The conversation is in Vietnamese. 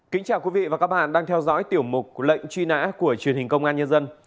kính chào quý vị và các bạn đang theo dõi tiểu mục lệnh truy nã của truyền hình công an nhân dân